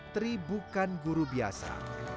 tri bukan guru biasa